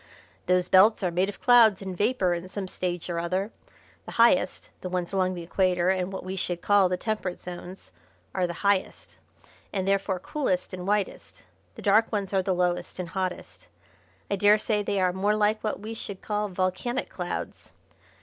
"Those belts are made of clouds or vapour in some stage or other. The highest the ones along the Equator and what we should call the Temperate Zones are the highest, and therefore coolest and whitest. The dark ones are the lowest and hottest. I daresay they are more like what we should call volcanic clouds.